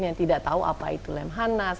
yang tidak tahu apa itu lemhanas